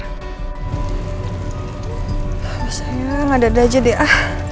habis ini ada gadget ya